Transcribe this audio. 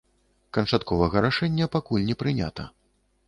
Канчатковага рашэння пакуль не прынята.